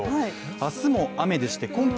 明日も雨でして今季